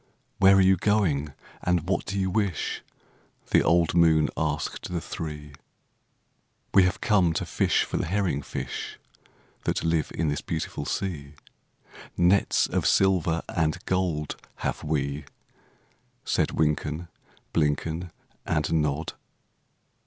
"Where are you going, and what do you wish?" The old moon asked the three. "We have come to fish for the herring fish That live in this beautiful sea; Nets of silver and gold have we," Said Wynken, Blynken, And Nod.